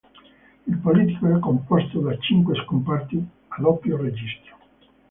Il polittico è composto da cinque scomparti a doppio registro.